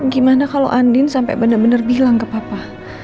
gimana kalau andin sampai benar benar bilang ke papa